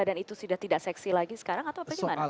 dan itu sudah tidak seksi lagi sekarang atau bagaimana